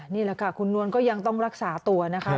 นี่แหละค่ะคุณนวลก็ยังต้องรักษาตัวนะคะ